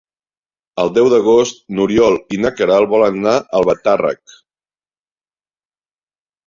El deu d'agost n'Oriol i na Queralt volen anar a Albatàrrec.